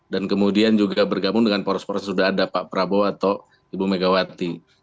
dan kemudian juga bergabung dengan poros poros sudah ada pak prabowo atau ibu megawati